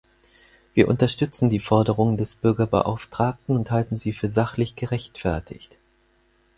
Wir unterstützen die Forderungen des Bürgerbeauftragten und halten sie für sachlich gerechtfertigt.